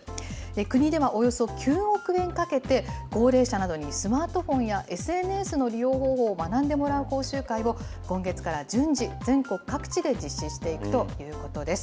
国ではおよそ９億円かけて、高齢者などにスマートフォンやＳＮＳの利用方法を学んでもらう講習会を、今月から順次、全国各地で実施していくということです。